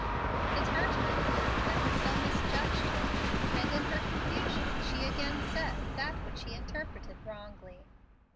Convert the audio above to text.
It hurt her cruelly that he so misjudged her; and in her confusion, she again said that which he interpreted wrongly.